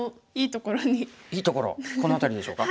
いいところこの辺りでしょうか？